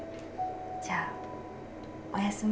じゃあおやすみ。